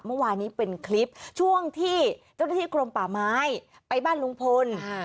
เมื่อวานนี้เป็นคลิปช่วงที่เจ้าหน้าที่กรมป่าไม้ไปบ้านลุงพล